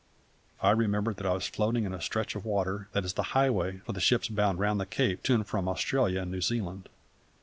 I remembered that I was floating in a stretch of water that is the highway for ships bound round the Cape to and from Australia and New Zealand.